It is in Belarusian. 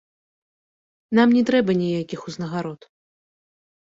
Нам не трэба ніякіх узнагарод!